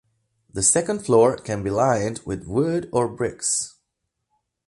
The second floor can be lined with wood or bricks.